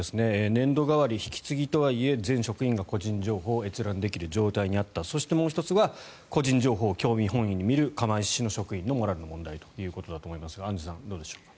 年度替わり、引き継ぎとはいえ全職員が個人情報を閲覧できる状態にあったそして、もう１つは個人情報を興味本位に見る釜石市の職員のモラルの問題だということだと思いますがアンジュさん、どうでしょうか。